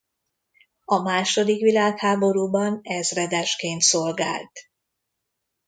A második világháborúban ezredesként szolgált.